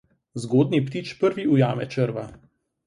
Zgodnji ptič prvi ujame črva.